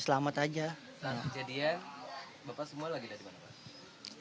selamat kejadian bapak semua lagi dari mana pak